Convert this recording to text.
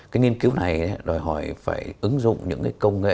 cái nghiên cứu này đòi hỏi phải ứng dụng những cái công nghệ